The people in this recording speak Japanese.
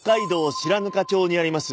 白糠町にあります